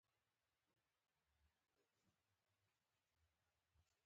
د پنځه نه تر لس کلونو څلور میاشتې مزد.